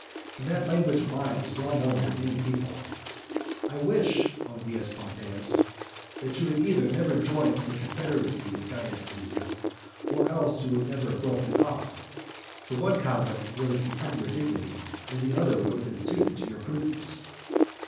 And that language of mine was well known to many people, "I wish, O Cnaeus Pompeius, that you had either never joined in a confederacy with Caius Caesar, or else that you had never broken it off. The one conduct would have become your dignity, and the other would have been suited to your prudence."